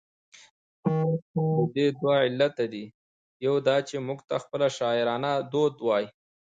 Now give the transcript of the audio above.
د دې دوه علته دي، يو دا چې، موږ ته خپله شاعرانه دود وايي،